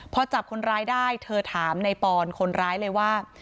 พอจับคนร้ายได้เธอถามในปอนคนร้ายเลยว่า